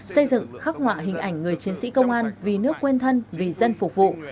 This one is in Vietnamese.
xây dựng khắc họa hình ảnh người chiến sĩ công an vì nước quên thân vì dân phục vụ